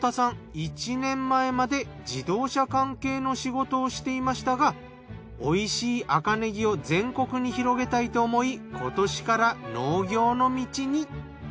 １年前まで自動車関係の仕事をしていましたが美味しい赤ねぎを全国に広げたいと思い今年から農業の道に。